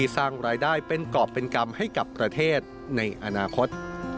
สวัสดีครับ